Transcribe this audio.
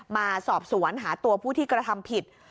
มาสอบสวนหาตัวผู้ที่กระทำผิด